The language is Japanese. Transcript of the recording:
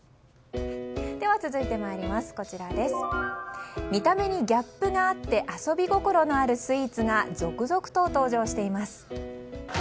続いて見た目にギャップがあって遊び心のあるスイーツが続々と登場しています。